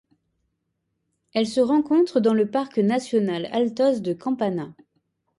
Elle se rencontre dans le parc national Altos de Campana.